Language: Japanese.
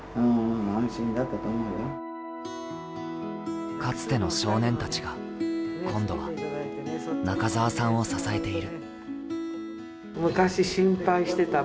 でもかつての少年たちが今度は、中澤さんを支えている。